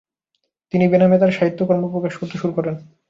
তিনি বেনামে তার সাহিত্যকর্ম প্রকাশ করতে শুরু করেন।